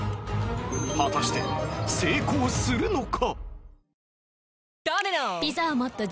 果たして成功するのか？